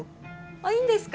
あいいんですか？